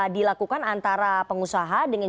dilakukan antara pengusaha dengan